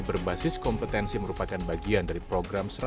berbasis kompetensi merupakan bagian dari program